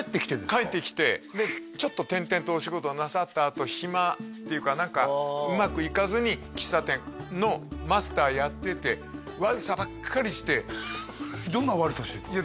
帰ってきてでちょっと転々とお仕事をなさったあと暇というか何かうまくいかずに喫茶店のマスターやってて悪さばっかりしてどんな悪さしてたんですか？